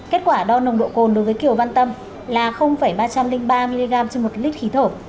kết quả đo nồng độ cồn đối với kiều văn tâm là ba trăm linh ba mg trên một lít khí thở